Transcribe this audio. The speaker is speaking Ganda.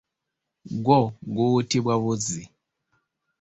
Gwo guwuutibwa buzzi.